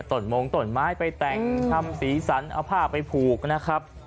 ตมงต้นไม้ไปแต่งทำสีสันเอาผ้าไปผูกนะครับ